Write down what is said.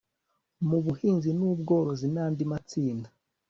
mu buhinzi n ubworozi n andi matsinda